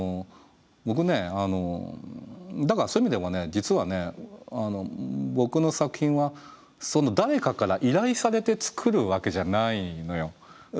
僕ねだからそういう意味ではね実はね僕の作品はそんな誰かから依頼されて作るわけじゃないのよ。